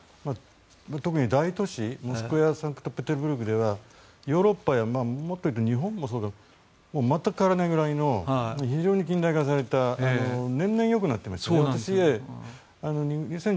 特に大都市、モスクワやサンクトペテルブルクではヨーロッパやもっと言うと日本もそうで全く変わらないぐらいの非常に近代化されて年々、良くなってますね。